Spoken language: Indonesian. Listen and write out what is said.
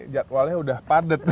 jadwalnya udah padet